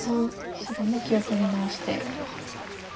白も気を取り直して。